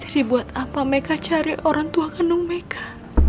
jadi buat apa mereka cari orang tua kandung mereka